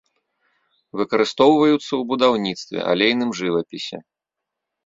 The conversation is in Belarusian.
Выкарыстоўваюцца ў будаўніцтве, алейным жывапісе.